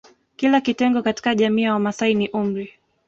Kila kitengo katika jamiii ya Wamasai ni umri